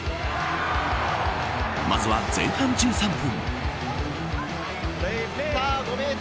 まずは前半１３分。